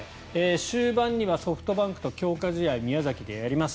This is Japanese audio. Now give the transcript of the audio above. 終盤にはソフトバンクと強化試合宮崎でやります。